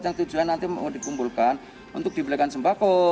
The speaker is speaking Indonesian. yang tujuan nanti mau dikumpulkan untuk dibelikan sembako